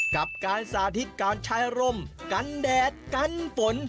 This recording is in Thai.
กับการสาธิตการใช้ร่มกันแดดกันฝน